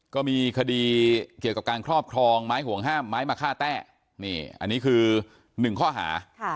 ก็มีคดีเกี่ยวกับการครอบครองไม้ห่วงห้ามไม้มะค่าแต้นี่อันนี้คือ๑ข้อหา